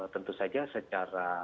tentu saja secara